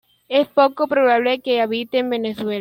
Es poco probable que habite en Venezuela.